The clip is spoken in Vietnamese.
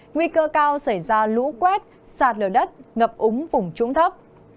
nguy cơ cao xảy ra lũ quét sạt lở đất ngập úng vùng trũng thấp